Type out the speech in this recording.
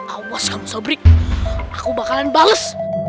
awas kamu sobrik aku bakalan bales